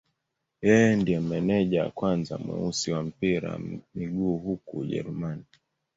Yeye ndiye meneja wa kwanza mweusi wa mpira wa miguu huko Ujerumani.